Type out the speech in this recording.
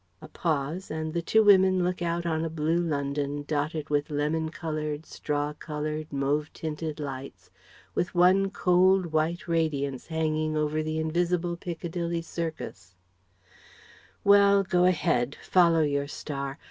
(A pause, and the two women look out on a blue London dotted with lemon coloured, straw coloured, mauve tinted lights, with one cold white radiance hanging over the invisible Piccadilly Circus) "Well, go ahead! Follow your star!